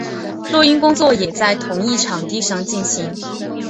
录音工作也在同一场地上进行。